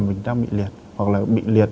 mình đang bị liệt hoặc là bị liệt